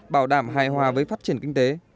bảo đảm hài hòa với phát triển kinh tế